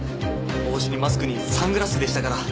帽子にマスクにサングラスでしたから。